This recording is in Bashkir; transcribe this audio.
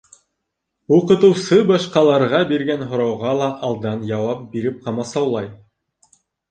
Уҡытыусы башҡаларға биргән һорауға ла алдан яуап биреп ҡамасаулай.